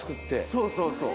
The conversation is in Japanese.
そうそうそう。